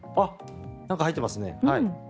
何か入ってますね。